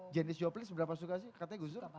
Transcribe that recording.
janice joplin seberapa suka sih katanya gus dur